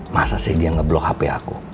masa sih dia ngeblok hp aku